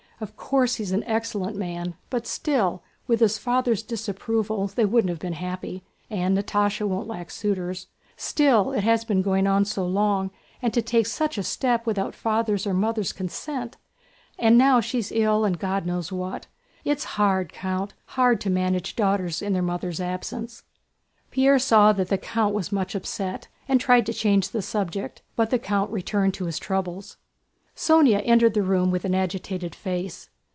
Of course he is an excellent man, but still, with his father's disapproval they wouldn't have been happy, and Natásha won't lack suitors. Still, it has been going on so long, and to take such a step without father's or mother's consent! And now she's ill, and God knows what! It's hard, Count, hard to manage daughters in their mother's absence...." Pierre saw that the count was much upset and tried to change the subject, but the count returned to his troubles. Sónya entered the room with an agitated face.